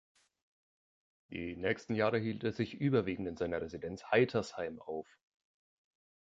Die nächsten Jahre hielt er sich überwiegend in seiner Residenz Heitersheim auf.